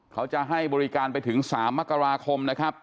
เขาจะให้บริการไปถึง๓มกราคมนะครับ